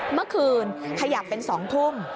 เมื่อคืนขยับเป็น๒ทุ่ม